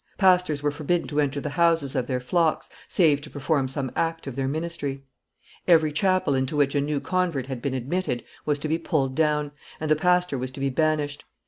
Pastors were forbidden to enter the houses of their flocks, save to perform some act of their ministry; every chapel into which a new convert had been admitted was to be pulled down, and the pastor was to be banished.